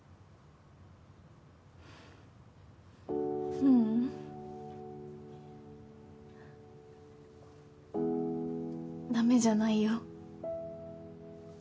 ううんダメじゃないよ